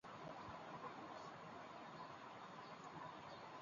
বর্তমানে এই বন্দর দিয়ে অভিবাসন চালুর বিষয়টি প্রক্রিয়াধীন রয়েছে।